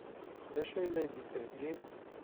D acu ay la d-yettheyyi?